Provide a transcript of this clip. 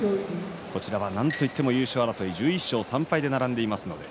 こちらはなんといっても優勝争い１１勝３敗で並んでいます。